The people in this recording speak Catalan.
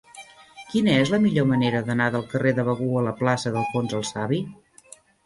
Quina és la millor manera d'anar del carrer de Begur a la plaça d'Alfons el Savi?